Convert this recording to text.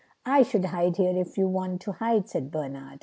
"I should hide here if you want to hide," said Bernard.